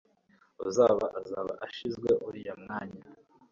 uzaba azaba ashinzwe uriya mwanya.